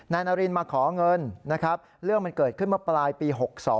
นายนารินมาขอเงินนะครับเรื่องมันเกิดขึ้นเมื่อปลายปี๖๒